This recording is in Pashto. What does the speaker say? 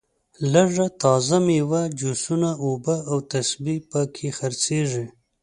لږه تازه میوه جوسونه اوبه او تسبې په کې خرڅېږي.